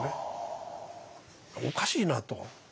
おかしいなと。